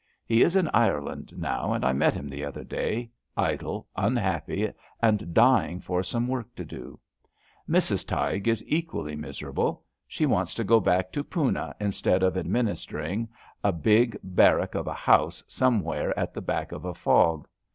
He is in Ireland now, and I met him the other day, idle, unhappy and dying for some work to do. Mrs. Tighe is equally miserable. She wants to go back to Poena instead of administering a big bar rack of a house somewhere at the back of a fog.